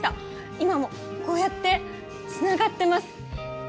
今もこうやってつながってます。